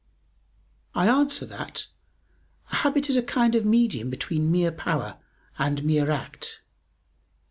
I answer that, A habit is a kind of medium between mere power and mere act.